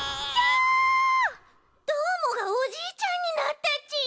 どーもがおじいちゃんになったち！